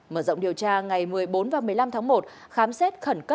mở rộng điều tra ngày một mươi bốn và một mươi năm tháng một khám xét khẩn cấp